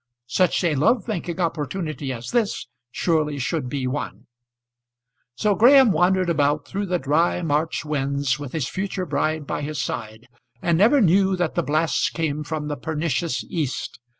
Such a love making opportunity as this surely should be one. So Graham wandered about through the dry March winds with his future bride by his side, and never knew that the blasts came from the pernicious east.